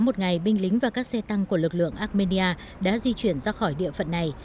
một ngày binh lính và các xe tăng của lực lượng armenia đã di chuyển ra khỏi địa phận này